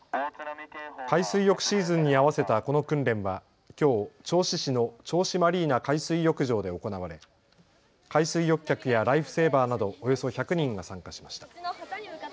海水浴シーズンに合わせたこの訓練はきょう銚子市の銚子マリーナ海水浴場で行われ、海水浴客やライフセーバーなどおよそ１００人が参加しました。